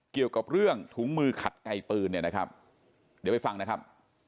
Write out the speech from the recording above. เกี่ยวกับเรื่องถุงมือขัดไกลปืนเนี่ยนะครับเดี๋ยวไปฟังนะครับ